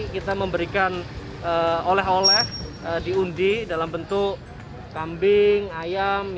kita memberikan oleh oleh diundi dalam bentuk kambing ayam